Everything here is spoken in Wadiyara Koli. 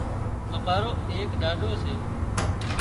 امارو ايڪ ڏاڏو سي